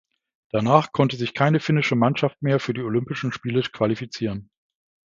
Danach konnte sich keine finnische Mannschaft mehr für die Olympischen Spiele qualifizieren.